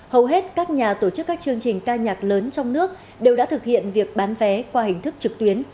hầu hết các nhà tổ chức các chương trình ca nhạc lớn trong nước đều đã thực hiện việc bán vé qua hình thức trực tuyến